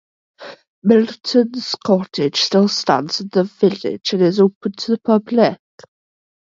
Milton's Cottage still stands in the village, and is open to the public.